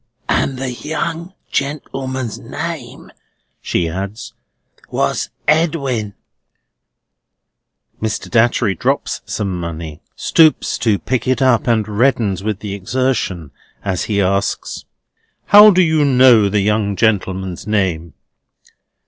"And the young gentleman's name," she adds, "was Edwin." Mr. Datchery drops some money, stoops to pick it up, and reddens with the exertion as he asks: "How do you know the young gentleman's name?"